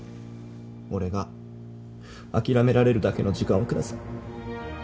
俺が諦められるだけの時間を下さい。